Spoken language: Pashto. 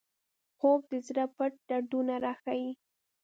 خوب د زړه پټ دردونه راښيي